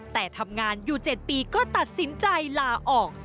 แต่ทำงานอยู่๗ปีก็ตัดสินใจลาออก